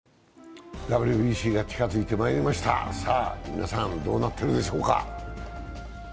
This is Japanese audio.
皆さん、どうなっているでしょうか？